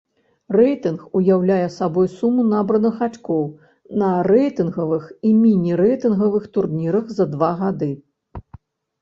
Рэйтынг уяўляе сабой суму набраных ачкоў на рэйтынгавых і міні-рэйтынгавых турнірах за два гады.